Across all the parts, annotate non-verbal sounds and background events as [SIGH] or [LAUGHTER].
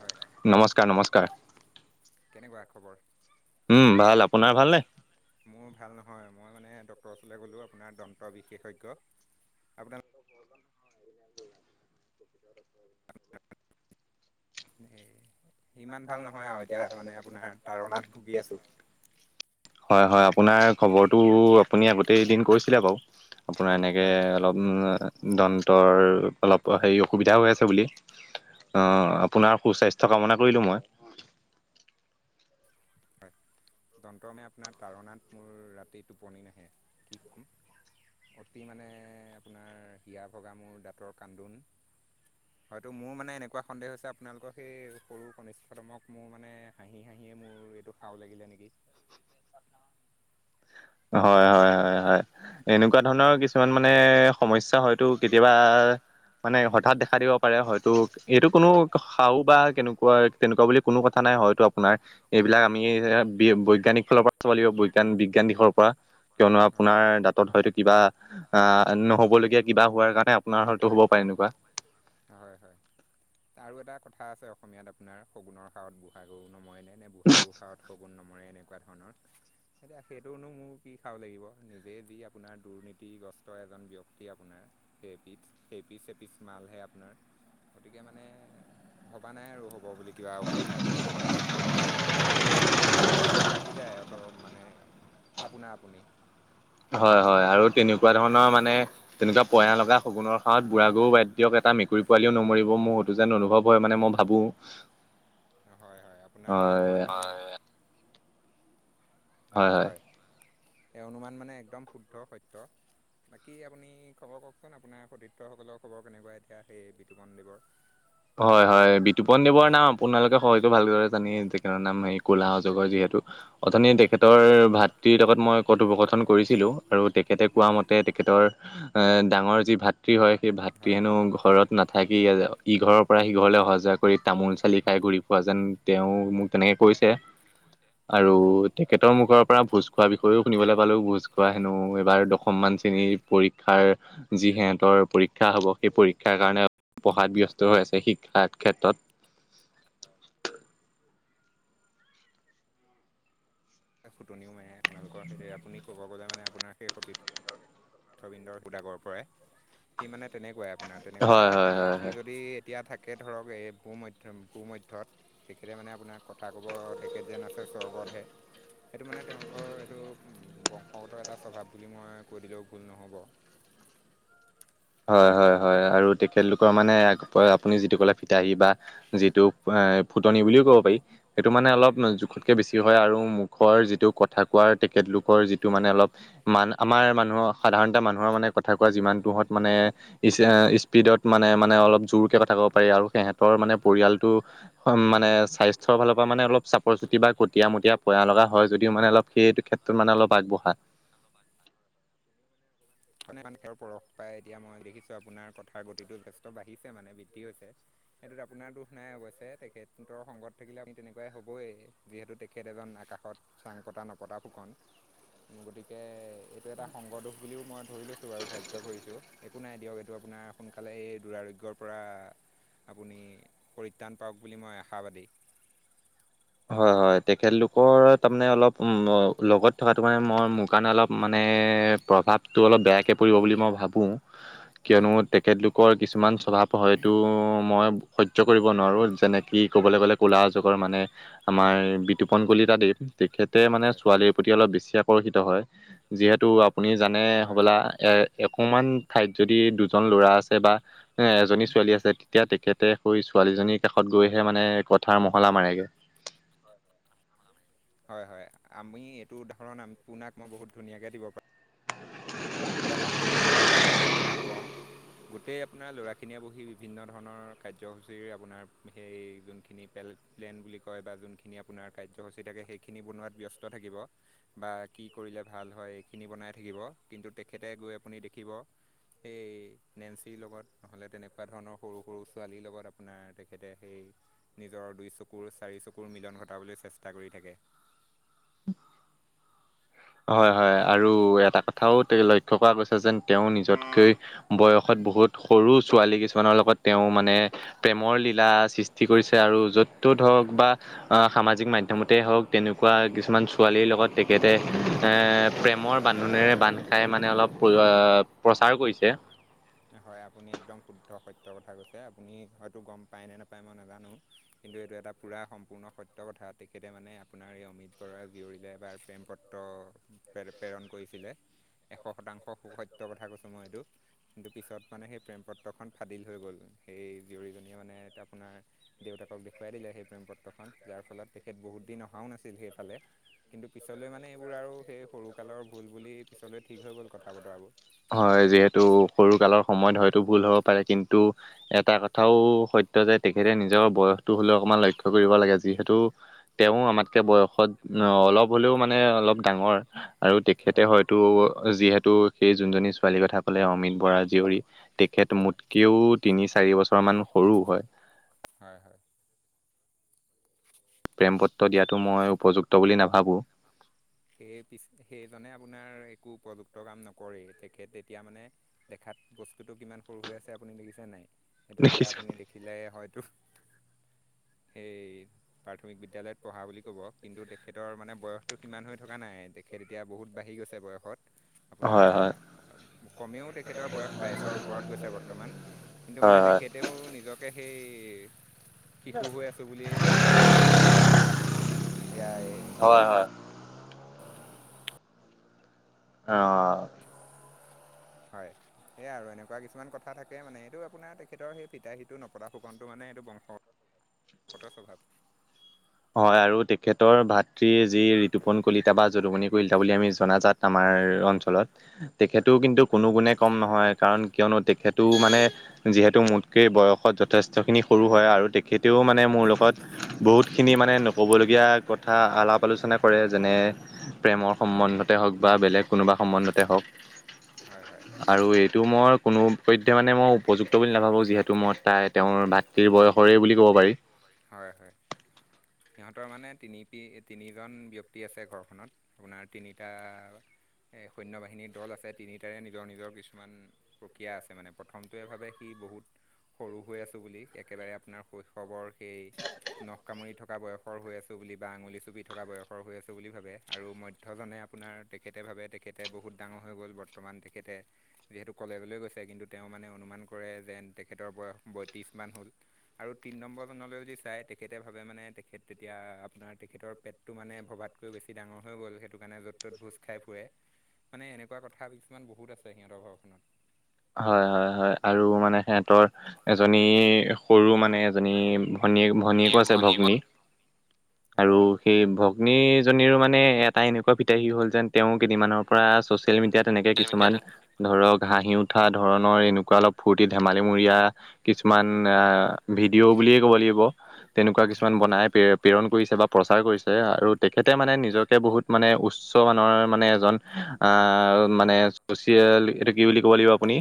হয় নমস্কাৰ নমস্কাৰ। কেনেকুৱা খবৰ। উম ভাল আপোনাৰ ভালনে। মোৰ ভাল নহয় মই মানে ডক্টৰৰ ওচৰলৈ গ'লো আপোনাৰ দন্ত বিশেষজ্ঞ। আপোন। হে। ইমান ভাল নহয় আৰু এতিয়া মানে আপোনাৰ তাৰণাত ভুগি আছো। হয় হয় আপোনাৰ খবৰটো আপুনি আগ। গোটেই দিন কৰিছিলে বাৰু আপোনাৰ এনেকৈ হয় অলপ। দন্তৰ অলপ হেৰি অসুবিধা হৈ আছে বুলি। আহ আপোনাৰ সুস্বাস্থ্য কামনা কৰিলো মই। [UNINTELLIGIBLE] দন্ত মে আপোনাৰ তাৰনাত মোৰ ৰাতি টোপনি নাহে ঠিক। অতি মানে আপোনাৰ হিয়া ভগা মোৰ দাঁতৰ কান্দোন। হয়তটো মোৰ মানে এনেকুৱা সন্দেহ হৈছে আপোনালোকৰ সেই সৰু কনিষ্ঠতমক মোৰ মানে হাঁহি হাঁহি। মোৰ এইটো খও লাগিলে নেকি। হয় হয় হয় হয়। এনেকুৱা ধৰণৰ কিছুমান মানে সমস্যা হয়তো কেতিয়াবা। মানে হঠাৎ দেখা দিব পাৰে হয়তো এইটো কোনো সাও বা কেনেকুৱা তেনেকুৱা বুলি কোনো কথা নাই। হয় আপোনাৰ এইবিলাক আমি বৈজ্ঞানিক ফালৰ পৰা চলিব বিজ্ঞান। কোৱা। কিয়নো হয় হয় আপোনাৰ দাঁতত হয়তো কিবা আহ নহবলগীয়া কিবা হোৱাৰ কাৰণে আপোনাৰ হয়তো হ'ব পাৰে ন। কোৱা। হয় হয় আৰু এটা। কথা আছে অসমীয়াত আপোনাৰ সগুনৰ সাৱত বুঢ়াগৰু নময়নে নে বুঢ়াগৰু সাৱত সগুন। সগুন নমৰে এনেকুৱা ধৰণৰ। এতিয়া সেইটোনো মোৰ কি সাও লাগিব নিজে যি আপোনাৰ দুৰ্নীতিগ্ৰস্ত এজন ব্যক্তি আপোনাৰ। সেই পিঠ সেই পিচ সেই পিচ মালহে আপোনাৰ। গতিকে মানে ভবা নাই আৰু হ'ব বুলি। কিবা অসুবিধা সেইটোৰ পৰা হ'লেও মানে মনলৈ কিছুমান কেতিয়াবা শংকাটো আহি যায় আৰু। মানে আপোনাৰ আপুনি। হয় হয় আৰু তেনেকুৱা ধৰণৰ মানে তেনেকুৱা পয়া লগা সগুনৰ সাৱত বুঢ়া গৰু বাদ্য। এটা মেকুৰী পোৱালিও নমৰিব মোৰ সটো যেন অনুভৱ হয় মানে মই ভাবো। হয় হয় আপোনাৰ এই হয় অনুমান। হয় হয়। সেই অনুমান মানে একদম শুদ্ধ সত্য। বাকী আপুনি খবৰ কওকচোন আপোনাৰ সতীৰ্থসকলৰ খবৰ কেনেকুৱা এতিয়া সেই বিতুপন দেৱৰ। হয় হয় বিতুপন দেৱৰ নাম আপোনালোকে হয়তো ভালদৰে জানি যে কেনৰ নাম হেৰি। কোলা অজগৰ যিহেতু। অথনি হয় তেখেতৰ ভাতৃৰ লগত মই কথোপকথন কৰিছিলোঁ আৰু তেখেতে কোৱা হয় মতে তেখেতৰ। এ ডাঙৰ যি ভাতৃ হয় সেই ভাতৃ হয় হেনো ঘৰত নাথাকি ইঘৰৰ। পৰা সিঘৰলৈ অহা যোৱা কৰি তামোল চালি খাই ঘূৰি ফোৱা যেন তেওঁ মোক তেনেকে কৈছে। আৰু হয় হয় তেখেতৰ মুখৰ। পৰা ভোজ খোৱাৰ বিষয়েও শুনিবলৈ পালো ভোজ খোৱা হেনো এইবাৰ দশমমান শ্ৰেণীৰ পৰীক্ষাৰ। যি সিহঁতৰ পৰীক্ষা হ'ব সেই পৰীক্ষাৰ কাৰণে পঢ়াত ব্যস্ত হৈ আছে। শিক্ষাৰ ক্ষেত্ৰত। ফুটনিও মাৰে আপোনালোকৰ সেই আপুনি ক'ব গ'লে মানে আপোনাৰ সেই সতিত। উথবিন্দৰ সুদাগৰ পৰাৰে সি মানে তেনেকুৱাই আপোনাৰ তেনেকুৱা হয় হয় আপোনাৰ হয় সি হয় যদি এতিয়া থাকে। কে ধৰক এই পূ মধ্য ভূ মধ্যত তেখেতে মানে আপোনাৰ কথা ক'ব তেখেত যেন আছে স্বৰ্গতহে [UNINTELLIGIBLE] সেইটো মানে তেওঁলোকৰ এইটো বংশগত এটা স্বভাৱ বুলি মই কৈ দিলেও ভুল নহ'ব। [UNINTELLIGIBLE] হয় হয় হয় আৰু তেখেতলোকৰ মানে আপুনি যিটো ক'লে ফিতাহী বা যিটো ফুতনি বুলিও ক'ব পাৰি সেইটো মানে হয় অলপ জোখত বেছি হয় আৰু মুখৰ যিটো কথা কোৱাৰ তেখেতলোকৰ যিটো মানে অলপ মান আমাৰ মানুহৰ সাধাৰণ মানুহৰ মানে কথা কোৱা যিমানটো‌ মানে স্পীডত মানে মানে অলপ জোৰকৈ কথা পাৰি আৰু সিহঁতৰ মানে পৰিয়ালটো মানে স্বাস্থ্যৰ ফালৰ পৰা মানে অলপ চাপৰ চুটি বা কটীয়া মটীয়া পয়া লগা হয় যদিও মানে অলপ সেই সেইটো ক্ষেত্ৰত মানে অলপ আগবঢ়া মানে মানে খেৰ পৰশ পাই এতিয়া মই দেখিছো আপোনাৰ কথাৰ গতিটো যথেষ্ট বাঢ়িছে মানে বৃদ্ধি হৈছে। সেইটোত আপোনাৰ দুখ নাই অৱশ্যে তেখেতৰ সংগত থাকিলে আমি তেনেকুৱাই হ'বই যিহেতু তেখেত এজন আকাশত চাং পতা নপতা ফুকন গতিকে এইটো এটা সংগদোষ বুলিও মই ধৰি লৈছো বাৰু ধাৰ্যয় কৰিছো একো নাই দিয়ক এইটো আপোনাৰ সোনকালে এই দুৰাৰোগ্যৰ পৰা আপুনি পৰিত্ৰাণ পাওক বুলি মই আশাবাদী [UNINTELLIGIBLE] হয় হয় তেখেতলোকৰ তাৰমানে অলপ লগত থকাটো মানে মই মোৰ কাৰণে অলপ মানে প্ৰভাৱটো অলপ বেয়াকৈ পৰিব বুলি মই ভাবোঁ হয় কিয়নো হয় তেখেতলোকৰ কিছুমান স্বভাৱ হয়তটো মই সজ্য কৰিব নোৱাৰো যেনে কি ক'বলৈ গ'লে কলা যুগৰ মানে আমাৰ বিতুপন কলিতা দেৱ তেখেতে মানে হয় ছোৱালীৰ প্ৰতি অলপ বেছি আকৰ্ষিত হয় যিহেতু আপুনি জানে হয় হ'বলা হয়। এ অকমান ঠাইত যদি দুজন ল'ৰা আছে বা এজনী ছোৱালী আছে তেতিয়া তেখেতে শছো ছোৱালীজনীৰ কাষত গৈহে মানে কথাৰ মহলা মাৰেগে হয় হয় আমি এইটো উদাহৰণ আপোনাক মই বহুত ধুনীয়াকে দিব পাৰিম। [UNINTELLIGIBLE] ৰাসখনৰ কথা কিছুমান মই আপোনাক কওঁ গোটেই আপোনাৰ ল'ৰাখিনিয়ে বহি বিভিন্ন ধৰণৰ কাৰ্যসূচী আপোনাৰ সেই যোনখিনি পেল প্লেন বুলি কয় বা জোনখিনী আপোনাৰ কাৰ্যসূচী থাকে সেইখিনি বনোৱাত ব্যস্ত থাকিব বা‌কি কি কৰিলে ভাল হয় এইখিনি বনাই থাকিব কিন্তু তেখেতে গৈ আপুনি দেখিব সেই নেন্সিৰ লগত নহলে তেনেকুৱা ধৰণৰ সৰু সৰু ছোৱালীৰ লগত আপোনাৰ তেখেতে সেই নিজৰ দুই চকুৰ চাৰি চকুৰ মিলন ঘটাবলৈ চেষ্টা কৰি থাকে [UNINTELLIGIBLE] হয় হয় আৰু এটা কথাও তে লক্ষ্য কৰা গৈছে যেন তেওঁ নিজতকৈ বয়সত বহুত সৰু ছোৱালী কিছুমানৰ লগত তেওঁ মানে প্ৰেমৰ লীলা সৃষ্টি কৰিছে আৰু য'ত ত হওক বা সামাজিক মাধ্যমতে হওক তেনেকুৱা কিছুমান ছোৱালীৰ লগত তেখেতে এ প্ৰেমৰ বান্ধোনেৰে বান্ধ খাই মানে অলপ প্ৰচাৰ কৰিছে। [UNINTELLIGIBLE] হয় আপুনি একদম শুদ্ধ সত্য কথা কৈছে আপুনি হয়তো গম পায় নে নোপায় মই নাজানো কিন্তু এইটো এটা পুৰা সম্পূৰ্ণ সত্য কথা তেখেতে মানে আপোনাৰ এই অমিত বৰুৱা জীয়ৰীলে এবাৰ প্ৰেম পত্ৰ প্ৰে প্ৰেৰণ কৰিছিলে এশ শতাংশ সত্যৰ কথা কৈছো মই এইটো কিন্তু পিছত মানে সেই প্ৰেম পত্ৰখন ফাদিল হৈ গ'ল সেই জীয়ৰীজনীয়ে মানে আপোনাৰ দেউতাকক দেখুৱাই দিলে। সেই প্ৰেম পত্ৰখন যাৰ ফলত তেখেত বহুত দিন অহাও নাছিল সেইফালে কিন্তু পিছলৈ মানে এইবোৰ আৰু সেই সৰুকালৰ ভুল বুলি পিছলৈ ঠিক হৈ গ'ল কথা বতৰাবোৰ হয় যিহেতু সৰু কালৰ সময়ত হয় ভুল হ'ব পাৰে কিন্তু এটা কথাও সত্য যে তেখেতে নিজৰ বয়সটো হ'লেও অকণমান লক্ষ্য কৰিব লাগে যিহেতু তেওঁ আমাতকে বয়সত অলপ হ'লেও মানে অলপ ডাঙৰ আৰু তেখেতে হয় হয়তো যিহেতু সেই যোনজনী ছোৱালীৰ কথা কলে অমিত বৰা জীয়ৰী তেখেত হয় মোতকেও তিনি চাৰি বছৰমান হয় হয়। প্ৰেমপত্ৰ দিয়াটো মই উপযুক্ত বুলি নাভাবোঁ। সেই পিছ সেইজনে আপোনাৰ একো উপযুক্ত কাম নকৰে তেখেত এতিয়া মানে দেখাত বস্তুটো কিমান সৰু হৈ আছে আপুনি দেখিছে নাই সেইটো এতিয়া দেখিছো আপুনি দেখিলে হয়তো [INAUDIBLE] সেই প্ৰাথমিক বিদ্যালয়ত পঢ়া বুলি ক'ব কিন্তু, তেখেতৰ মানে বয়সটো সিমান হৈ থকা নাই তেখেত এতিয়া বহুত বাঢ়ি গৈছে বয়সত, আপোনাৰ হয় হয় কমেও তেখেতৰ বয়স বাইছৰ ওপৰত গৈছে বৰ্তমান কিন্তু মানে হয় তেখেতেও নিজকে সেই শিশু হৈ আছোঁ বুলিয়েই অনুমান কৰে মানে। এয়াই হয় হয় হয় অঁ। হয় এই আৰু এনেকুৱা কিছুমান কথা থাকে মানে এইটো আপোনাৰ তেখেতৰ সেই ফিতাহিটো নপতা ফুকনটো মানে এইটো বংশগতৰ স্বভাৱ। হয় আৰু তেখেতৰ ভাতৃ যি ৰিতুপন কলিতা বা যদুমণি কলিতা বুলি আমি জনাজাত আমাৰ আমাৰ অঞ্চলত তেখেতও কিন্তু কোনো গুণে কম নহয় কাৰণ কিয়নো তেখেতো মানে যিহেতু মোতকৈ বয়সত যথেষ্টখিনি সৰু হয় আৰু তেখেতেও মানে মোৰ লগত বহুত খিনি মানে নক'বলগীয়া কথা আলাপ আলোচনা কৰে যেনে প্ৰেমৰ সম্বন্ধতে হওঁক বা বেলেগ কোনোবা সম্বন্ধতে হওঁক হয় হয় আৰু এইটো মই কোনো পধ্যে মানে মই উপযুক্ত বুলি নাভাবোঁ যিহেতু, মই তাই তেওঁৰ ভাতৃৰ বয়সৰেই বুলি ক'ব পাৰি। হয় হয়। সিহঁতৰ মানে তিনি তিনিজন ব্যক্তি আছে ঘৰখনত আপোনাৰ তিনিটা এ সৈন্য বাহিনীৰ দল আছে তিনিটাৰে নিজৰ নিজৰ কিছুমান প্ৰক্ৰিয়া আছে মানে, প্ৰথমটোৱে ভাবে সি বহুত সৰু হৈ আছো বুলি একেবাৰে আপোনাৰ শৈশৱৰ সেই নখ কামুৰি থকা বয়সৰ হৈ আছোঁ বুলি বা আঙুলি চুপি থকা বয়সৰ হৈ আছোঁ বুলি ভাবে। আৰু মধ্যজনে আপোনাৰ তেখেতে ভাবে তেখেতে বহুত ডাঙৰ হৈ গ'ল বৰ্তমান তেখেতে যিহেতু কলেজলে গৈছে কিন্তু তেওঁ মানে অনুমান কৰে যেন তেখেতৰ বয়স বয়ত্ৰিশ মান হ'ল, আৰু তিনি নম্বৰ জনলৈ যদি চায় তেখেতে ভাবে মানে তেখেত এতিয়া আপোনাৰ তেখেতৰ পেটটো মানে ভবাতকৈ বেছি ডাঙৰ হৈ গ'ল সেইটো কাৰণে য'ত ত'ত ভোজ খাই ফুৰে, মানে এনেকুৱা কথা কিছুমান বহুত আছে সিহঁতৰ ঘৰখনত। হয় হয় হয় আৰু মানে সিহঁতৰ এজনী সৰু মানে এজনী ভনীয়েক ভনীয়েকো আছে ভগ্নী হয় আৰু হয় সেই ভ গ্নীজনীৰো মানে এটা এনেকুৱা ফিতাহী হ'ল যেন তেওঁ কেইদিনমানৰ পৰা চচি য়েল মিডিয়া তেনেকে কিছুমান ধৰক হাঁহি উঠা ধৰণৰ এনেকুৱা অলপ ফূৰ্তি ধেমালিমূৰিয়া কিছুমান অ ভিডিঅ' বুলিয়ে ক'ব লাগিব। তেনেকুৱা কিছুমান হয় বনাই প্ৰেৰণ কৰিছে বা প্ৰচাৰ কৰিছে আৰু তেখেতে মানে নিজকে বহুত মানে উচ্চ মানৰ মানে এজন অ মানে চচিয়েল এইটো কি বুলি ক'ব লাগিব আপো নি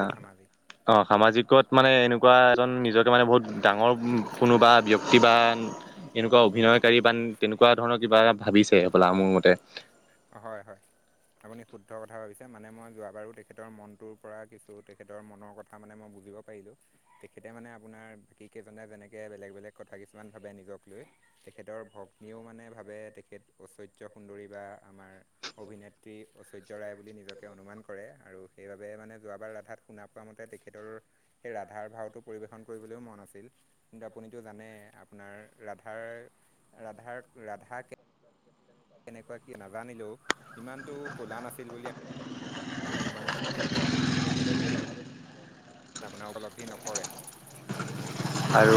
আ সামাজিক অ সামাজিক ত মানে এনেকুৱা এজন নিজকে মানে বহুত ডাঙৰ কোনোবা ব্যক্তি বা এনেকুৱা অভিনয়কাৰী বা তেনেকুৱা ধৰণৰ কিবা ভাবিছে হবলা মোৰ মতে। হয় হয়। আপুনি শুদ্ধ কথা ভাবিছে, মানে মই যোৱাবাৰো তেখেতৰ মনটোৰ পৰা কিছু তেখেতৰ মনৰ কথা মানে মই বুজিব পাৰিলোঁ তেখেতে মানে আপোনাৰ বাকিকেইজনে যেনেকৈ বেলেগ বেলেগ কথা কিছুমান ভাবে নিজক লৈ তেখেতৰ ভগ্নীও মানে ভাবে তেখেত ঐশ্বৰ্য সুন্দৰী বা আমাৰ অভিনেত্ৰী ঐশ্বৰ্য ৰায় বুলি নিজকে অনুমান কৰে আৰু সেইবাবে মানে যোৱাবাৰ ৰাধাত শুনা পোৱা মতে তেখেতৰ সেই ৰাধাৰ ভাওটো পৰিবেশন কৰিবলৈও মন আছিল, কিন্তু আপুনিটো জানে আপোনাৰ ৰাধাৰ ৰাধাৰ ৰাধাক কেনেকুৱা কি নাজানিলেও সিমানটো ক'লা নাছিল বুলি আমি অনুমান ভাৱনা উপলব্ধি নকৰে। আৰু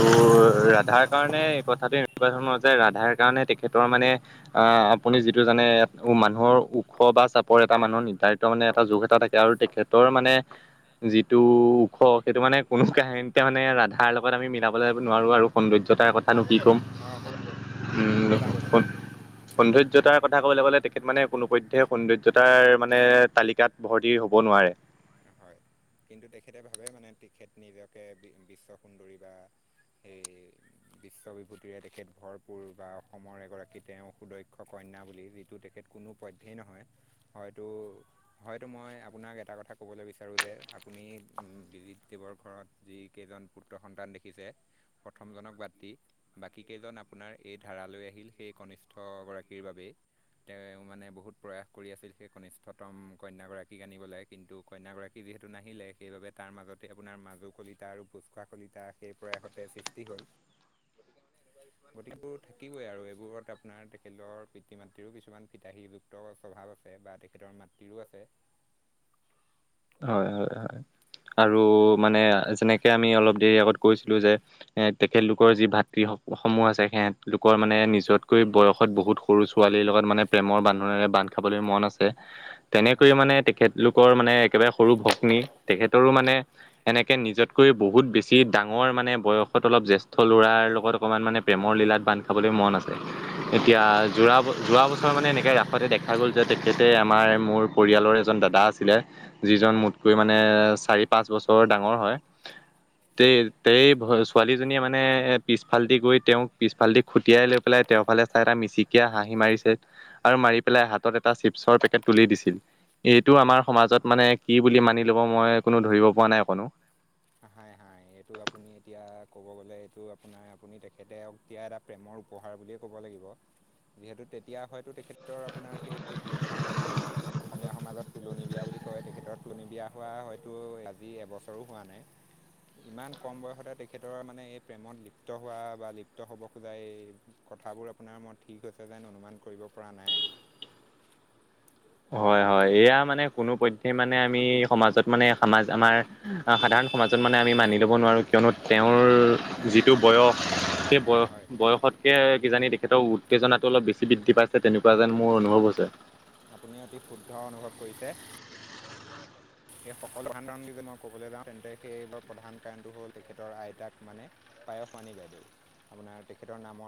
ৰাধাৰ কাৰণে কথাটো এনেকুৱা ধৰণৰ যে ৰাধাৰ কাৰণে তেখেতৰ মানে আহ আপুনি যিটো জানে মানুহৰ ওখ বা চাপৰ এটা মানুহৰ নিৰ্ধাৰিত মানে এটা যুখ এটা থাকে আৰু তেখেতৰ মানে যিটো ওখ সেইটো মানে কোনো কাহিনতে মানে ৰাধাৰ লগত লগত আমি মিলাবলৈ নোৱাৰো আৰু সৌন্দৰ্যতাৰ কথানো কি ক'ম অঁ ব'লা [UNINTELLIGIBLE] গৈছে সৌন্দৰ্যতাৰ কথা ক'বলৈ গ'লে তেখেত মানে কোনোপধ্যয়ে সৌন্দৰ্যতাৰ মানে তালিকাত ভৰ্তি হব ন নোৱাৰে হয় কিন্তু তেখেতে ভাবে মানে তেখেত নিজকে বিশ্ব সুন্দৰী বা সেই বিশ্ব বিভূতিৰে তেখেত ভৰপূৰ বা অসমৰ এগৰাকী তেওঁ সুদক্ষ কইন কইনা বুলি যিটো তেখেত কোনোপধ্যেই নহয় হয়তো হয়তো মই আপোনাক এটা কথা কব কবলৈ বিচাৰো যে উম দেৱৰ ঘৰত যি কেইজন পুত্ৰ সন্তান দেখিছে প্ৰথম জনক বাদ দি বাকী কেই জন আপোনাৰ এই ধাৰালৈ আহিল সেই কনিষ্ঠ গৰাকীৰ বাবেই তেওঁ মানে বহুত প্ৰয়াস কৰি আছিল সেই কনিষ্ঠতম কন্যাগৰাকী আনিবলৈ কিন্তু কন্যাগৰাকী যিহেতু নাহিলে সেইবাবে তাৰ মাজতে আপোনাৰ মাজুৰ কলিতা আৰু ভোচখোৱা কলিতা সেই পৰাইহঁতে সৃষ্টি হ'ল। গতিকেবোৰ থাকিবই আৰু এইবোৰত আপোনাৰ তেখেতৰ পিতৃ মাতৃৰো কিছুমান ফিতাহীযুক্ত স্বভাৱ আছে আছে বা তেখেতৰ মাতৃৰো আছে হয় হয় হয় আৰু মানে যেনেকে আমি অলপ দেৰি আগত কৈছিলোঁ যে তেখেতলোকৰ যি ভাতৃ শ সোমোৱা যায় সিহঁত লোকৰ মানে নিজতকৈ বয়সত বহুত সৰু ছোৱালীৰ লগত মানে প্ৰেমৰ বান্ধোনেৰে বান্ধ খাবলৈ মন আছে। আছে তেনেকৈ হয় মানে তেখেতলোকৰ মানে একেবাৰে সৰু ভগ্নী তেখেতৰো মানে এনেকে নিজতকৈ বহুত বেছি ডাঙৰ মানে বয়সত অলপ জ্যেষ্ঠ ল'ৰাৰ লগত অকণমান মানে প্ৰেমৰ লীলাত বান্ধ খাবলৈ মন আছে এতিয়া হয় যোৰা যোৱা বছৰ মানে এনেকৈ ৰাসতে দেখা গ'ল যে তেখেতে আমাৰ মোৰ পৰিয়ালৰ এজন দাদা আছিলে যিজন মোতকৈ মানে চাৰি- পাঁচ বছৰ বৰ ডাঙৰ হয় হয় তে- তেই ছোৱালীজনীয়ে মানে পিছফালদি গৈ তেওঁক পিছফালেদি খুটিয়াই লৈ পেলাই তেওঁৰফালে চাই এটা মিচিকিয়া হাঁহি মাৰিছে আৰু মাৰি পেলাই হাতত এটা চিপছৰ পেকেট তুলি দিছিল। এইটো অ' আমাৰ সমাজত মানে কি বুলি মানি ল'ব মই কোনো ধৰিব পৰা নাই অকনো হাই হাই এইটো আপুনি এতিয়া ক'ব গ'লে এইটো আপোনাৰ আপুনি তেখেতেক দিয়া এটা প্ৰেমৰ উপহাৰ বুলিয়েই ক'ব লাগিব। যিহেতু তেতিয়া হয়তো তেখেত তেখেতৰ আপোনাৰ সেই যোনখন আমাৰ অসমীয়া সমাজত তুলনি বিয়া বুলি কয় তেখেতৰ তুলনি বিয়া হোৱা হয়তো আজি এবছৰো হোৱা নাই। ইমান কম বয়সতে তেখেতৰ মানে এই প্ৰেমত লিপ্ত হোৱা বা লিপ্ত হ'ব খোজা এই কথা কথাবোৰ আপোনাৰ মত ঠিক হৈছে যেন অনুমান কৰিব পৰা নাই। [INAUDIBLE] হয় -হয় এয়া মানে কোনো পধ্যে মানে আমি সমাজত মানে সমাজ আমাৰ সাধাৰণ সমাজত মানে আমি মানি ল'ব নোৱাৰোঁ কিয়নো তেওঁৰ যিটো বয়স সেই বয়স- হয়। বয়সতকে কিজানি দে তেখেতৰ উত্তেজনা টো অলপ বেছি বৃদ্ধি পাইছে তেনেকুৱা যেন মোৰ অনুভৱ হৈছে। আপুনি অতি শুদ্ধ অনুভৱ কৰিছে। সেই সকলো [UNINTELLIGIBLE] যদি মই ক'বলৈ যাওঁ তেন্তে সেইবোৰ প্ৰধান কাৰণটো হ'ল তেখেতৰ আইতাক মানে পায়স মণি বাইদেউ আপোনাৰ তেখেতৰ নামৰ